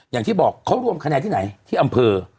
อย่างที่บอกเขารวมคะแนนที่ไหนที่อำเภอ